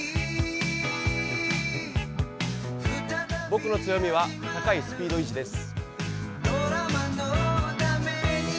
僕の強みは高いスピード維持です。